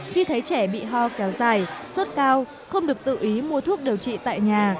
khi thấy trẻ bị ho kéo dài suốt cao không được tự ý mua thuốc điều trị tại nhà